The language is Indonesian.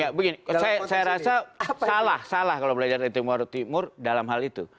ya begini saya rasa salah salah kalau belajar dari timur timur dalam hal itu